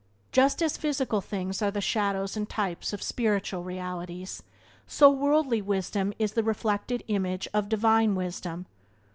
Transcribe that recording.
Just as physical things are the shadows and types, of spiritual realities so worldly wisdom is the reflected image of Divine Wisdom.